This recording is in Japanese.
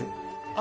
あ